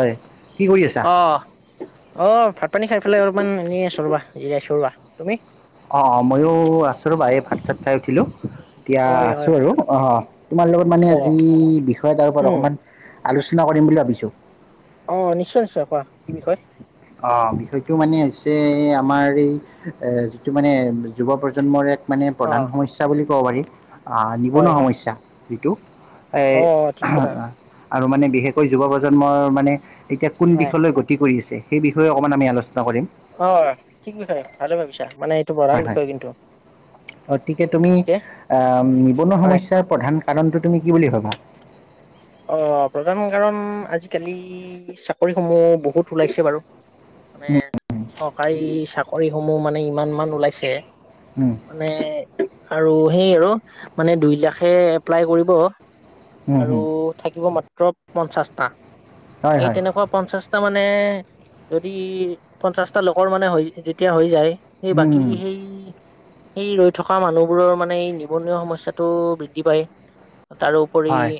হয় কি কৰি আছা অ' অ' ভাত-পানী খাই পেলাই অলপমান এনেই আছোঁ ৰ'বা, জিৰাইছো ৰ'বা। তুমি? অ' অ' মইয়ো আছো ৰ'বা। এই ভাত-চাত খাই উঠিলো। এতিয়া হয়, আছো হয়, হয়, আৰু অ' তোমাৰ লগত মানে আজি অ'। বিষয় এটাৰ ওপৰত উম, অকমান আলোচনা কৰিম বুলি ভাবিছোঁ। অ' নিশ্চয়, নিশ্চয় কোৱা, কি বিষয়? অ' বিষয়টো মানে হৈছে এ আমাৰ এই এ যিটো মানে যুৱ প্ৰজন্মৰ এক মানে প্ৰধান অ'। সমস্যা বুলি ক'ব পাৰি। অ' হয়, নিবনুৱা হয়, সমস্যা যিটো এই অ' ঠিক কথা আৰু মানে বিশেষকৈ যুৱ প্ৰজন্মৰ মানে এতিয়া কোন হয়, দিশলৈ গতি কৰি আছে সেই বিষয়ে অকমান আমি আলোচনা কৰিম। হয়, ঠিক বিষয়, ভালে ভাবিছা। মানে এইটো প্ৰধান হয় হয় বিষয় কিন্তু। গতিকে ঠিক তুমি ঠিকে আ নিবনুৱা হয়। সমস্যাৰ প্ৰধান কাৰণটো তুমি কি বুলি ভাবা? অ' প্ৰধান কাৰণ আজি-কালি চাকৰিসমূহ বহুত ওলাইছে বাৰু। মানে চৰকাৰী চাকৰিসমূহ মানে ইমান ইমান ওলাইছে। উম। মানে আৰু সেই আৰু মানে দুই লাখে এপ্লাই কৰিব। উম, আৰু হম, থাকিব মাত্ৰ পঞ্চাছটা। হয়, এই হয়, তেনেকুৱা পঞ্চাছটা মানে যদি পঞ্চাছটা লকৰ মানে হৈ যেতিয়া হৈ যায় সেই উম, বাকী উম, সেই সেই ৰৈ থকা মানুহবোৰৰো মানে এই নিবনুৱা সমস্যাটো বৃদ্ধি পায়। তাৰোপৰি হয়,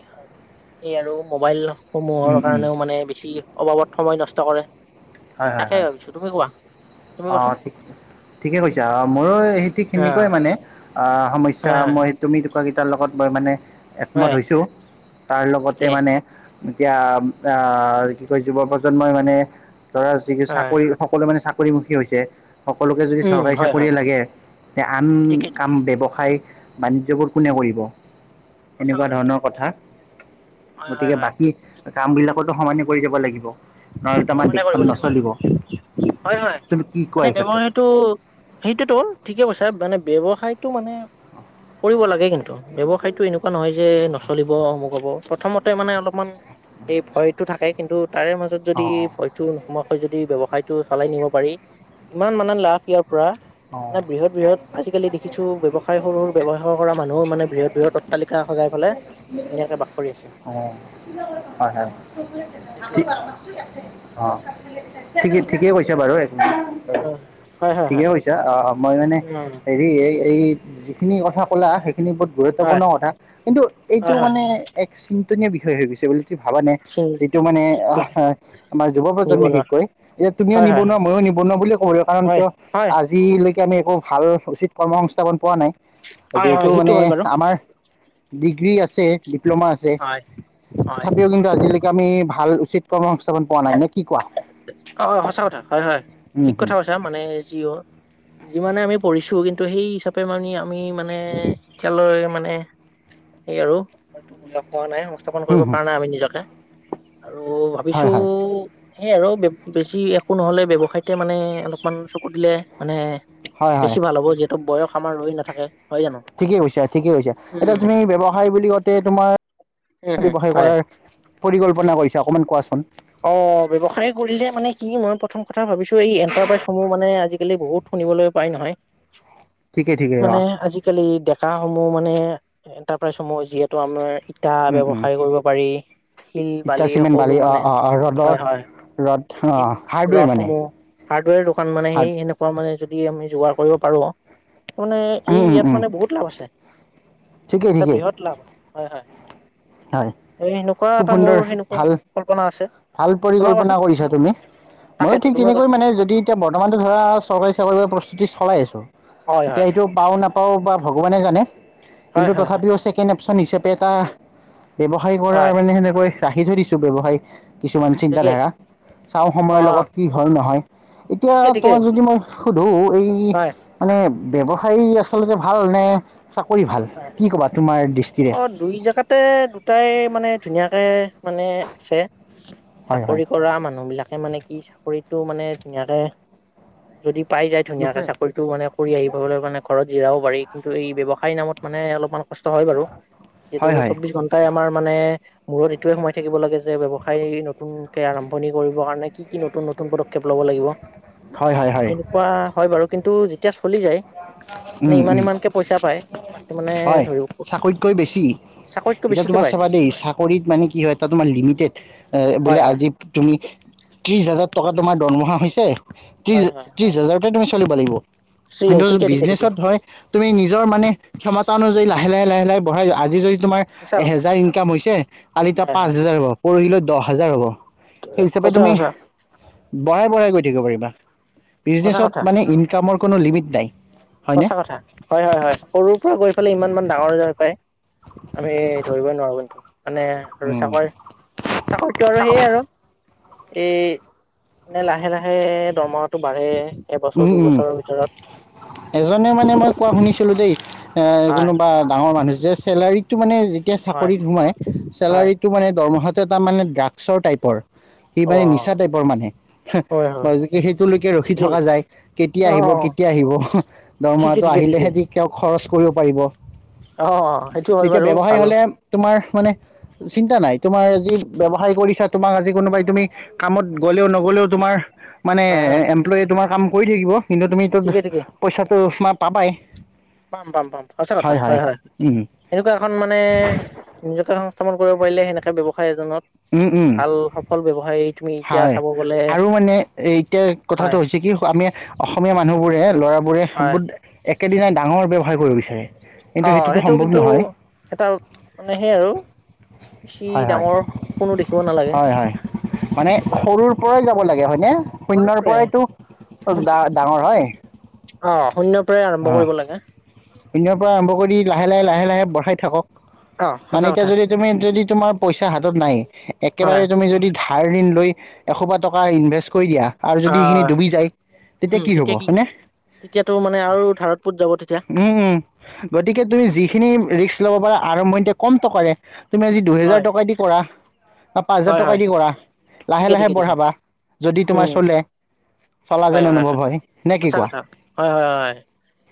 সেই আৰু মোবাইল সমূহৰ উম, উম, কাৰণেও মানে বেছি অবাবত সময় নষ্ট কৰে। হয়, হয়, তাকেই হয়, ভাবিছোঁ। তুমি কোৱা। তুমি কোৱাচোন অ' ঠিক ঠিকে কৈছা। অ' মোৰো সেই ঠিক হা তেনেকুৱাই মানে। আ সমস্যা হয় হয় মই তুমি কোৱাকিটাৰ লগত ব মানে একমত হয় হৈছোঁ। তাৰ লগতে ঠিকে মানে এতিয়া আম-আ কি কয় যুৱ প্ৰজন্মই মানে ধৰা যি হয় চাকৰি সকলোৱে মানে চাকৰিমুখী হৈছে। সকলোকে যদি উম হয় হয় চৰকাৰীয়ে লাগে তে আন ঠিকে কাম ঠিকে ব্যৱসায় বাণিজ্যবোৰ কোনে কৰিব? এনেকুৱা ধৰণৰ কথা হয় হয় গতিকে হয় বাকী কামবিলাকতো সমানে কৰি যাব লাগিব নহ'লেতো আমাৰ সমানে কৰিব দেশখন লাগিব নচলিব। হয়, হয়। তুমি কি কোৱা মানে [unintelligible] এই ক্ষেত্ৰত? [unintelligible] সেইটোতো ঠিকে কৈছা মানে ব্যৱসায়টো মানে কৰিব লাগে কিন্তু ব্যৱসায়তটো এনেকুৱা নহয় যে [unintelligible] নচলিব অমুক হব প্ৰথমতে মানে অলপমান এই ভয়তটো থাকে কিন্তু তাৰে মাজত অ যদি ভয়তো নোসোমোৱাকৈ যদি ব্যৱসায়তটো চলাই নিব পাৰি ইমান মানে লাভ ইয়াৰ পৰা অ অ বৃহৎ বৃহৎ আজিকালি দেখিছো ব্যৱসায়ৰ সৰু সৰু ব্যৱসায় কৰা মানুহ মানে বৃহৎ বৃহৎ অট্টালিকা। সজাই পেলাই ধুনীয়াকে বাস কৰি আছে অ' হয়, হয়। সেইটোয়ে অ' বাকী ঠিকেই ঠিকেই কৈছে বাৰু এক অ' হয় হয় হয় ঠিকেই কৈছে অ মই মানে উম হেৰি এই এই যিখিনি কথা কলা সেইখিনি হয় গুৰুত্বপূৰ্ণ কথা কিন্তু এইটো হয় হয় মানে এক চিন্তনীয় বিষয় হৈ গৈছে বুলি তুমি ভাবা নে এইটো মানে ঠিক আমাৰ যুৱ প্ৰজন্ম নিবনুৱা বিশেষকৈ এ তুমিও হয় হয় হয় নিবনুৱা ময়ো নিবনুৱা বুলিয় ক'ব লাগিব কাৰণ হয় কিয়? হয় আজিলৈকে আমি একো ভাল উচিত কৰ্ম সংস্থাপন পোৱা নাই। হয় হয় যিহেতু সেইটো মানে হয় বাৰু আমাৰ ডিগ্ৰী আছে ডিপ্ল'মা আছে হয় হয় তথাপিও কিন্তু আজিলৈকে আমি ভাল উচিত কৰ্ম সংস্থাপন পোৱা নাই নে কি কোৱা? সঁচা কথা হয় হয় উম ঠিক হম কথা কৈছা মানে জিঅ' যিমানে আমি পঢ়িছোঁ কিন্তু সেই হিচাপে মানি আমি মানে এতিয়ালয় মানে সেই আৰু [unintelligible] পোৱা নাই স্থাপন হম কৰিব হম পৰা নাই আমি নিজকে আৰু হয় ভাবিছো হয় সে আৰু বেছি একো নহলে ব্যৱসায়তে মানে অলপমান চকু দিলে মানে হয় হয় বেছি ভাল হ'ব যিহেতু বয়স আমাৰ ৰৈ নাথাকে। হয় জানো ঠিকেই কৈছা ঠিকেই কৈছা এতিয়া উম তুমি ব্যৱসায় বুলি কওঁতে তোমাৰ উম হম ব্যৱসায় হয় কৰাৰ পৰিকল্পনা কৰিছা অকণমান কোৱাচোন। অ' ব্যৱসায় কৰিলে মানে কি মই প্ৰথম কথা ভাবিছো এই এণ্টাৰপ্ৰাইজসমূহ মানে আজিকালি বহুত শুনিবলৈ পাই নহয় [unintelligible] ঠিকেই ঠিকেই মানে অঁ আজি আজিকালি ডেকাসমূহ মানে এটাৰপ্ৰাইজসমূহ যিহেতু আমাৰ তা ব্যৱসায় কৰিব পাৰি শিল ইটা বালি চিমেণ্ট সকলো অঁ মানে অঁ অঁ ৰ'দৰ হয়, হয়। ৰ'দ এই অঁ হাৰ্ডৱেৰ মানে ৰথসমূহ হাৰ্ডৱেৰ দোকান মানে হাৰ্ড সেই এনেকুৱা মানে যদি আমি যোগাৰ কৰিব পাৰো। [unintelligible] উম এই উম ইয়াত উম মানে বহুত লাভ আছে ঠিকেই এটা ঠিকেই বৃহৎ লাভ হয়, হয়। হয় এ সেনেকুৱা খুব এটা মোৰ সুন্দৰ সেনেকুৱা ভাল কল্পনা আছে। ভাল তোমাৰ পৰিকল্পনা কোৱাচোন কৰিছা তুমি মইো তাকেতো ঠিক তুমি তেনেকৈ কোৱাচোন মানে যদি এতিয়া বৰ্তমান ধৰা চৰকাৰী চাকৰি প্ৰস্তুতি চলাই আছো হয় হয় এতিয়া হয় সেইটো পাও নাপ কওঁ বা ভগৱানে জানে হয় কিন্তু হয় হয় তথাপিও ছেকেণ্ড অপচন হিচাপে এটা ব্যৱসায় কৰা হয় মানে সেনেকৈ ৰাখি থৈ দিছো ব্যৱসায় কিছুমান ঠিকেই চিন্তাধাৰা। চাওঁ সময়ৰ অ লগত কি হল নহয় ঠিকে এতিয়া ঠিকে তোমাক যদি মই সোধো এই হয় মানে, ব্যৱসায় আচলতে ভাল নে চাকৰি ভাল হয় কি ক'বা তোমাৰ দৃষ্টিৰে অ দুই জেগাতে দুটাই মানে ধুনীয়াকে মানে আছে। হয় হয় চাকৰি কৰা মানুহ বিলাকে মানে কি চাকৰিতটো মানে ধুনীয়াকে যদি পাই যায় ধুনীয়াকে হয় চাকৰিতটো মানে কৰি আহি পলৈ কাৰণে ঘৰত জিৰাবও পাৰি কিন্তু এই ব্যৱসায়ৰ নামত মানে অলপমান কষ্ট হয় বাৰু যিহেতু হয় চৌবিশ তাই আমাৰ মানে মূৰত এইটোয়ে সময় থাকিব লাগে যে ব্যৱসায় নতুন কে আৰম্ভণি কৰিব কাৰণে কি কি নতুন-নতুন পদক্ষেপ লব লাগিব? হয় হয় স হয় পোৱা হয় বাৰু। কিন্তু যেতিয়া চলি যায়। উম ইমান উম ইমানকে পাইচা পাই। হয় চাকৰিতকৈ বেছি। চাকৰিতকৈ এতিয়া বেছিকে তোমাৰ পায়তো চাবা দেই, চাকৰিত মানে কি হয়, এটা তোমাৰ লিমিটেড হয় বোলে হয় আজি তুমি ত্ৰিশ হাজাৰ টকা তোমাৰ দৰমহা হৈছে হয় হয় ত্ৰিশ হাজাৰ ত তুমি চলিব লাগিব। চি কিন্তু ঠিকে ঠিকে ঠিকে বিজনেচত হয় তুমি নিজৰ মানে ক্ষমতা অনুযায়ী লাহে, লাহে, লাহে, লাহে বঢ়াই আজি যদি তোমাৰ সঁচা কথা এহেজাৰ ইনকাম হৈছে, কালি তাৰ হয় পাঁচ হয় হোজাৰ হব, পৰহিলৈ দহ হাজাৰ হ'ব। সেই হিচাপে সঁচা তুমি সঁচা বঢ়াই, বঢ়াই গৈ থাকিব পাৰিবা সঁচা বিজনেচত কথা মানে, কামৰ কোনো লিমিট নাই। হয়নে সঁচা কথা হয়, হয়, হয় সৰুৰ পৰা গৈ পেলাই ইমানমান ডাঙৰাৰ পায়। আমি ধৰিবই নোৱাৰো কিন্তু মানে আৰু উম চাকৰি চাকৰিতটো আৰু সেইয় আৰু। এই লাহে, লাহে দৰমহটো বাঢ়ে উম এবছৰ উম দুইবছৰৰ ভিতৰত। এজনে মানে মই কোৱা শুনিছিলো দেই। এ হয় কোনোবা ডাঙৰ মানুহ যে চেলাৰিতটো মানে যেতিয়া হয় চাকৰিত সোমাই, হয় চেলাৰিত টো মানে দৰমহাটো এটা মানে ড্ৰাগছৰ টাইপৰ। সি অ মানে নিচা টাইপৰ মানে হয় হয় সেইটোলৈকে ৰখি ঠিকেই থকা যায়। কেতিয়া অ আহিব কেতিয়া আহিব ঠিকে দৰমহাটো ঠিকে ঠিকে আহিলেহে খৰচ কৰিব পাৰিব। অ সেইটো হয় এতিয়া বাৰু ব্যৱসায় ভাল হলে তোমাৰ মানে চিন্তা নাই তোমাৰ আজি ব্যৱসায় কৰিছা তোমাক আজি তুমি কোনোবাই তুমি কামত হয় গ'লেও, নগ'লেও তোমাৰ মানে হয় হয় এমপ্লয়ে তোমাৰ কাম কৰি থাকিব। কিন্তু তুমিটো ঠিকে ঠিকে পইচাটো তোমাৰ পাবাই। পাম, পাম, পাম সঁচা কথা হয়, হয় এনেকুৱা এখন মানে নিজকে সংস্থাপন কৰিব পাৰিলে, সেনেকে ব্যৱসায় এজনত উম, উম ভাল সফল ব্যৱসায় তুমি এতিয়া হয়। চাব গ'লে আৰু মানে এতিয়া কথাটো হয় হৈছে কি, আমি অসমীয়া মানুহবোৰে ল'ৰাবোৰে হয় বুত একেদিনাই ডাঙৰ ব্যৱসায় কৰিব বিচাৰে। অ, কিন্তু সেইটোতো সেইটো সম্ভৱ কিন্তু নহয় এটা মানে সেই আৰু বেছি হয় হয় ডাঙৰ কোনো দেখিব নালাগে। হয় হয় মানে সৰুৰ পৰাই যাব লাগে হয়নে? শূণ্যৰ পৰাই পৰাইতো কোনবা ডাঙৰ হয়। অ, শূন্যৰ পৰাই অ আৰম্ভ কৰিব লাগে। শূন্যৰ পৰা আৰম্ভ কৰি লাহে, লাহে, লাহে, লাহে বঢ়াই থাকক। অ মানে, সঁচা এতিয়া কথা যদি তুমি যদি তোমাৰ পইচা হাতত নাই, হয় একেবাৰে তুমি যদি ধাৰ ঋণ লৈ, এসোপাহ টকা ইনভেষ্ট কৰি দিয়া। আৰু যদি সেখিনি আহ ডুবি যায়। তেতিয়া কি হব? হয়নে। তেতিয়াতো মানে আৰু ধাৰত পোত যাব তেতিয়া উম, উম গতিকে তুমি যিখিনি ৰিস্ক ল'ব পাৰা, আৰম্ভণিতে কম টকাৰে তুমি আজি হয় দুহেজাৰ টকা দি কৰা। বা পাঁচ হাজাৰ হয় টকা হয় দি কৰা। লাহে, ঠিকে লাহে ঠিকে ঠিকে বঢ়াবা। যদি উম তোমাৰ চলে। চলা হয়, যেন হয়, অনুভৱ হয় নে কি সঁচা কোৱা কথা হয়, হয়, হয়।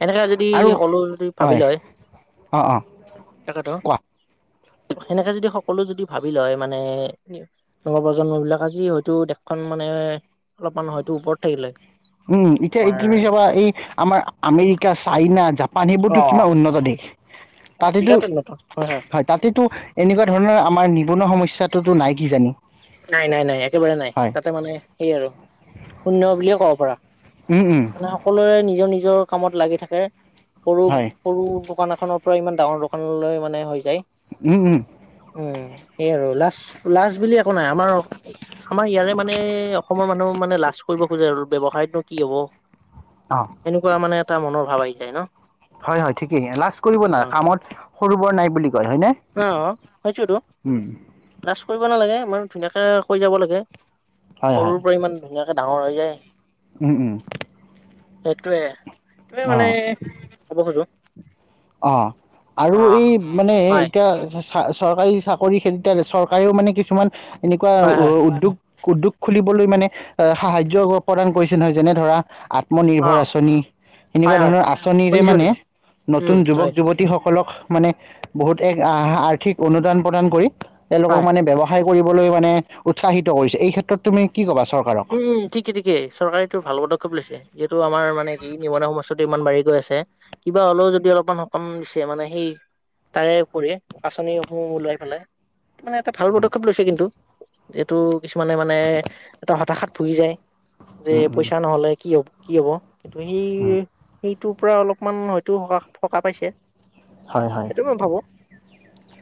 এনেকা যদি সকলো যদি ভাবি লয়। অ, অঁ তাকেতো কোৱা। সেনেকে যদি সকলো যদি ভাবি লয় মানে, নৱপ্ৰজন্ম বিলাক আজি হয়তো দেশখন মানে অলপমান হয়তো ওপৰত থাকিলে। উম, এতিয়া আমাৰ এতিয়া তুমি চাবা এই আমাৰ আমেৰিকা, চাইনা, জাপান অ সেইবোৰতো কিমান উন্নত দেশ। তাতেতো, হয় তাতেতো এনেকুৱা ধৰণৰ আমাৰ নিবনুৱা সমস্যাটোতো নাই কি জানি? নাই, নাই, নাই একেবাৰে নাই। তাতে মানে সেই আৰু শুন্য বুলিয়ে ক'ব পাৰা। উম উম সকলোৱে নিজৰ নিজৰ কামত লাগি থাকে সৰু হয় সৰু দোকান এখনৰ পৰা ইমান ডাঙৰ দোকানলৈ মানে হৈ যায় উম উম উম সেই আৰু লাজ লাজ বুলি একো নাই আমাৰ আমাৰ ইয়াৰে মানে অসমৰ মানুহ মানে লাজ কৰিব খোজে আৰু ব্যৱসায়নো কি হব? অ এনেকুৱা মানে এটা মনৰ ভাৱ আহি যায় ন হয় হয় ঠিকেই লাজ কৰিব নালাগে অ কামত সৰু বৰ নাই বুলি কয় হয় নে? অ সেইটোৱেতো লাজ কৰিব নালাগে ইমান ধুনীয়াকৈ কৈ যাব লাগে হয় হয় সৰুৰ পৰা ইমান ধুনীয়াকে ডাঙৰ হৈ যায় উম উম সেইটোৱে এইটোয়ে অ মানে ক'ব খোজো অ আৰু অ এই মানে হয় এতিয়া চৰকাৰী চাকৰি ক্ষেত্ৰত চৰকাৰেও মানে কিছুমান এনেকুৱা হয় হয় উদ্যোগ উদ্যোগ খুলিবলৈ মানে আহ সাহায্য প্ৰদান কৰিছে নহয় যেনে ধৰা আত্ম অ নিৰ্ভৰ আঁচনি হয় এনেকুৱা হয় ধৰনৰ আঁচনিৰে শুনিছো মানে শুনিছো নতুন উম যুৱক হয় যুৱতীসকলক মানে বহুত এক আহ আৰ্থিক অনুদান প্ৰদান কৰি তেওঁলোকক হয় মানে ব্যৱসায় কৰিবলৈ মানে উৎসাহিত কৰিছে এই ক্ষেত্ৰত তুমি কি কবা চৰকাৰ উম ঠিকে ঠিকে চৰকাৰে এইটো ভাল পদক্ষেপ লৈছে যিহেতু আমাৰ মানে কি নিবনুৱা সমস্যাটো ইমান বাঢ়ি গৈ আছে কিবা হ'লেও যদি অলপমান সকাম দিছে মানে সেই তাৰে উপৰি আঁচনিসমূহ ওলাই পেলাই মানে এটা ভাল উম, পদক্ষেপ লৈছে কিন্তু এইটো কিছুমানে মানে এটা হতাশাত ভুগি যায় যে উম, উম, পইচা নহ'লে কি হব কি হ'ব কিন্তু সেই উম, সে টোৰ পৰা অলপমান হয়তো স সকাহ পাইছে হয় হয় এইটো মই ভাবো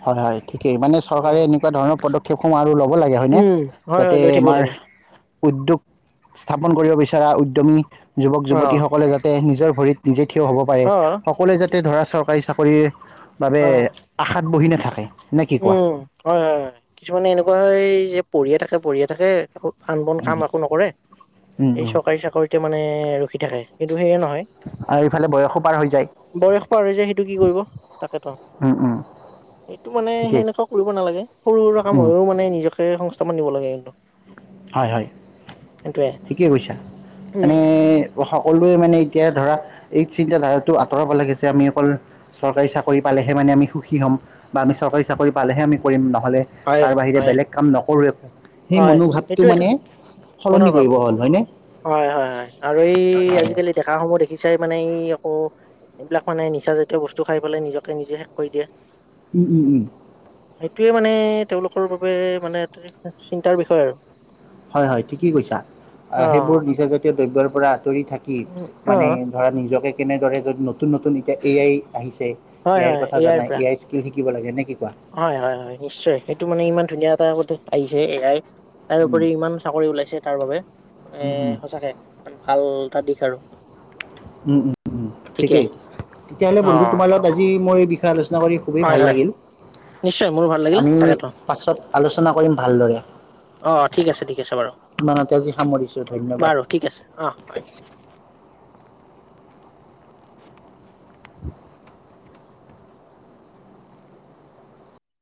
হয় হয় ঠিকেই মানে চৰকাৰে অ', এনেকুৱা ধৰণৰ পদক্ষেপ ক্ষেপসমূহ আৰু ল'ব লাগে হয়নে উম, হয় হয় যাতে লৈ থাকিব আমাৰ লাগে উদ্যোগ স্থাপন কৰিব বিচৰা উদ্যমী যুৱক অ', যুৱতীসকলে যাতে তে নিজৰ ভৰিত নিজে থিয় হ'ব পাৰে অ', সকলোৱে যাতে ধৰা চৰকাৰী চাকৰিৰ বাবে হয় হয় আশাত বহি নাথাকে নে কি কোৱা? উম হয় হয় কিছুমানে এনেকুৱা হয় যে পঢ়িয়ে থাকে পঢ়িয়ে থাকে কাম বন কাম একো নকৰে উম, এই উম, চৰকাৰী চাকৰিতে মানে ৰখি থাকে কিন্তু সেয়ে নহয় আৰু ইফালে বয়সো পাৰ হৈ যায়। বয়স পাৰ হৈ যায় সেইটো কি কৰিব তাকেতো উম উম এইটো মানে ঠিকেই সেনেকুৱা কৰিব নালাগে সৰু সুৰা কাম উম, হৈও মানে নিজকে সংস্থাপন দিব লাগে একদম হয় হয় ঠিকে কৈছা মানে উম, প্ৰশাসনটোৱে মানে এতিয়া ধৰা এই চিন্তা ধাৰাটো আঁতৰাব লাগিছে আমি অকল চৰকাৰী চাকৰি পালেহে মানে আমি সুখী হ'ম বা আমি চৰকাৰী চাকৰি পালেহে আমি কৰিম নহ'লে হয় তাৰ বাহিৰে হয় বেলেগ কাম নকৰোঁৱে হয় এইটো এটো মনৰ সলনি ভাৱ কৰিব হ'ল হয়নে হয় হয় হয় আৰু এই হয় আজিকালি ডেকাসমূহ দেখিছাই মানে এই আকৌ এইবিলাক মানে নিচা জাতীয় বস্তু খাই পেলাই নিজকে নিজে শেষ কৰি দিয়ে উ উ উ এইটোৱে মানে তেওঁলোকৰ বাবে মানে এ চিন্তাৰ বিষয় আৰু হয় হয় ঠিকেই কৈছা আ অ সেইবোৰ নিচা জাতীয় দ্ৰব্যৰ পৰা আঁতৰি থাকি উম, অ মানে ধৰা নিজকে কেনেদৰে যদি নতুন নতুন এতিয়া এ আই আহিছে এ হয় আইৰ হয় কথা এয়াৰ জানাই পৰা এ আইছ কে শিকিব লাগে নে কি কোৱা? হয় হয় হয় নিশ্চয় সেইটো মানে ইমান ধুনীয়া এটা সুযোগ আহিছে এ আই। তাৰ উম, ওপৰি ইমান চাকৰি ওলাইছে তাৰ বাবে মানে উম, উম, উম, সঁচাকে ভাল এটা দিশ আৰু। উম উম উম ঠিকে ঠিকেই তেতিয়াহ'লে অ বন্ধু তোমাৰ লগত আজি মোৰ এই বিষয় আলোচ চনা কৰি খুবেই হয় ভাল হয় লাগিল। নিশ্চয় মোৰো ভাল লাগিল আমি তাকেতো পাছত আলোচনা কৰিম ভালদৰে। অ ঠিক আছে ঠিক আছে বাৰু ইমানতে আজি সামৰিছো বাৰু ধন্যবাদ। ঠিক আছে অঁ হয়। [inaudible]